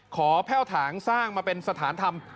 แพ่วถางสร้างมาเป็นสถานธรรม